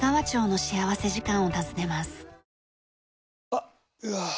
あっ、うわー。